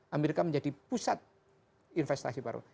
amerika menjadi pusat investasi baru